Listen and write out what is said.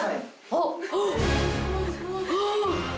あっ。